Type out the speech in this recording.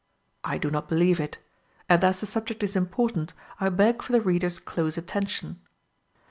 I do not believe it; and as the subject is important, I beg for the reader's close attention.